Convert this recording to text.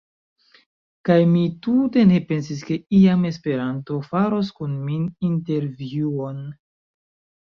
Kaj mi tute ne pensis ke iam Esperanto faros kun mi intervjuon.